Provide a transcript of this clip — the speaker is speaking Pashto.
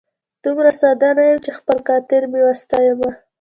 دومره ساده نه یم چي خپل قاتل مي وستایمه